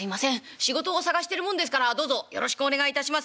仕事を探してるもんですからどうぞよろしくお願いいたします」。